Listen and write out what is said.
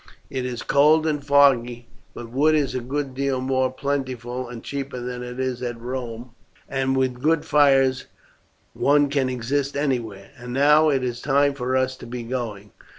It is cold and foggy; but wood is a good deal more plentiful and cheaper than it is at Rome, and with good fires one can exist anywhere. And now it is time for us to be going.